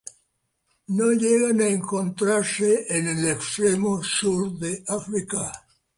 No llegan a encontrarse en el extremo sur de África.